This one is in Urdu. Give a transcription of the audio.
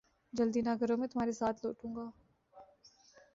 جلدی نہ کرو میں تمھارے ساتھ لوٹوں گا